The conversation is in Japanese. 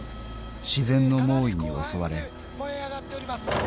［自然の猛威に襲われ］